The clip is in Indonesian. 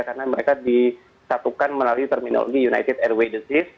karena mereka disatukan melalui terminologi united airway disease